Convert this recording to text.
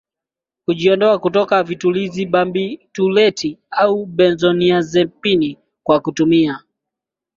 kujiondoa kutoka vitulizibabitureti au benzodiazepini kwa kutumia